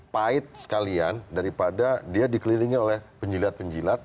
pahit sekalian daripada dia dikelilingi oleh penjilat penjilat